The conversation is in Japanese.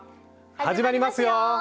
始まりますよ！